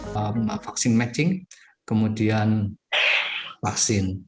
pertama pembahasan vaksin kemudian vaksin